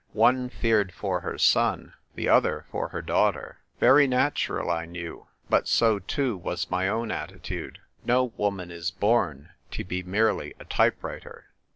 One feared for her son, the other for her daughter. Very natural, I knew ; but so too was my own attitude. No woman is born to be merely a type writer.